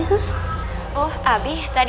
kalau mama gak akan mencari